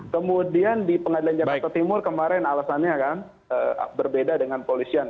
kemudian di pengadilan jakarta timur kemarin alasannya kan berbeda dengan polisian